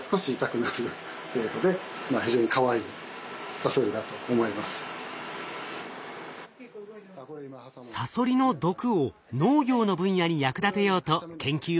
サソリの毒を農業の分野に役立てようと研究を進めているんです。